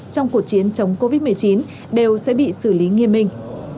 trong cuộc chiến chống covid một mươi chín đều sẽ bị xử lý nghiêm minh